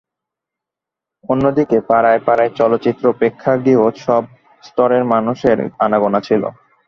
অন্যদিকে পাড়ায় পাড়ায় চলচ্চিত্র প্রেক্ষাগৃহ সব স্তরের মানুষের আনাগোনা ছিল।